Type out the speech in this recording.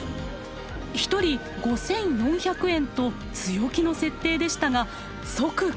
１人５，４００円と強気の設定でしたが即完売。